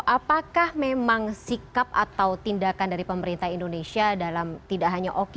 apakah memang sikap atau tindakan dari pemerintah indonesia dalam tidak hanya oki